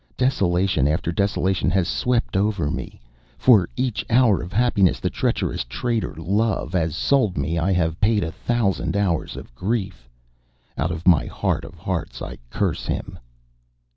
Desolation after desolation has swept over me; for each hour of happiness the treacherous trader, Love, has sold me I have paid a thousand hours of grief. Out of my heart of hearts I curse him."